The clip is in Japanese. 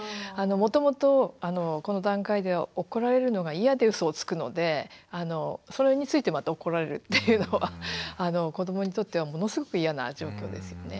もともとこの段階では怒られるのが嫌でうそをつくのでそれについてまた怒られるっていうのは子どもにとってはものすごく嫌な状況ですよね。